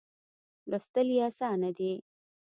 لوستل یې آسانه دي.